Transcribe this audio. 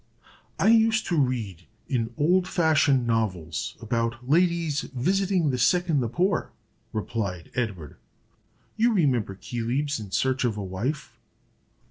"I used to read in old fashioned novels about ladies visiting the sick and the poor," replied Edward. "You remember Coelebs in Search of a Wife?"